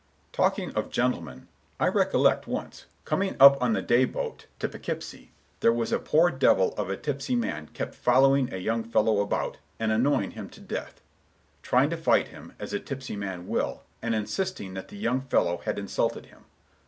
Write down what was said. "Talking of gentlemen, I recollect, once, coming up on the day boat to Poughkeepsie, there was a poor devil of a tipsy man kept following a young fellow about, and annoying him to death—trying to fight him, as a tipsy man will, and insisting that the young fellow had insulted him.